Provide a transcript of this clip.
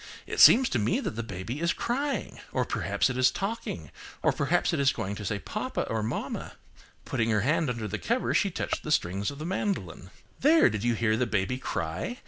It seems to me that the baby is crying. Or, perhaps it is talking, or perhaps it is going to say papa or mamma." Putting her hand under the cover, she touched the strings of the mandolin. "There! did you hear the baby cry?